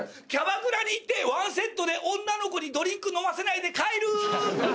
キャバクラに行ってワンセットで女の子にドリンク飲ませないで帰るー！